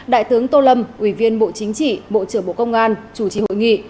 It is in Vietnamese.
đại tướng tô lâm ủy viên bộ chính trị bộ trưởng bộ công an chủ trì hội nghị